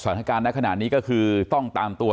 พร้อมด้วยผลตำรวจเอกนรัฐสวิตนันอธิบดีกรมราชทัน